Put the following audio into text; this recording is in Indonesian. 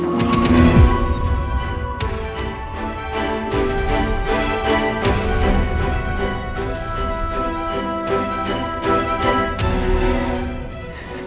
kamu harus ikutin aturan lain